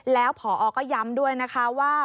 แล้วพอก็ย้ำด้วยนะคะว่า